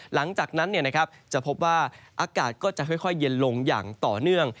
หลังจากนั้นจะพบว่าอากาศก็จะค่อยเย็นลงอย่างต่อเนื่อง